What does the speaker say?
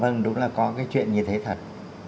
vâng đúng là có cái chuyện như thế thật